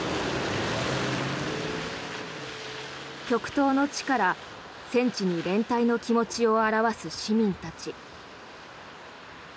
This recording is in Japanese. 極東の地から、戦地に連帯の気持ちを表す市民たち。